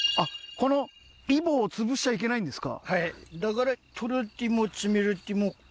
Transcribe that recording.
このイボを潰しちゃいけないんですか？